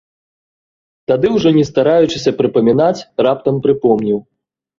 Тады, ужо не стараючыся прыпамінаць, раптам прыпомніў.